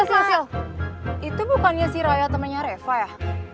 eh sil sil sil itu bukannya sih raya temennya reva ya